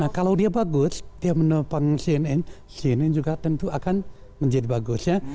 nah kalau dia bagus dia menopang cnn juga tentu akan menjadi bagus ya